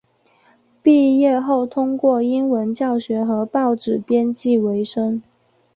毕业后通过英文教学和报纸编辑维生。